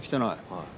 はい。